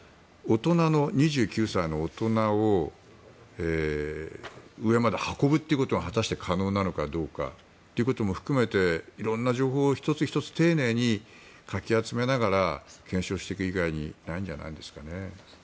２９歳の大人を上まで運ぶということが果たして可能なのかどうかということも含めて色んな情報を１つ１つ丁寧にかき集めながら検証していく以外にないんじゃないですかね。